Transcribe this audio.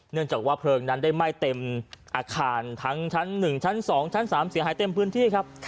เนื่องจากว่าเพลิงนั้นได้ไหม้เต็มอาคารทั้งชั้น๑ชั้น๒ชั้น๓เสียหายเต็มพื้นที่ครับ